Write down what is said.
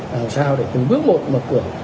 làm sao để từng bước một mở cửa